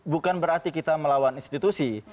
bukan berarti kita melawan institusi